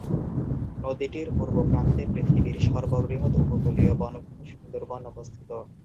নদীটির পূর্ব প্রান্তে পৃথিবীর সর্ববৃহৎ উপকূলীয় বনভূমি সুন্দরবন অবস্থিত।